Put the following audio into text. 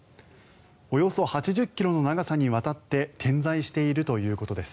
およそ８０ｋｍの長さにわたって点在しているということです。